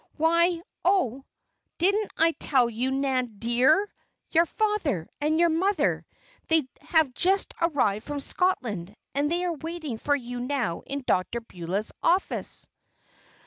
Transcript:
"Why Oh! didn't I tell you? Nan dear! Your father! And your mother! They have just arrived from Scotland, and they are waiting for you now in Dr. Beulah's office!"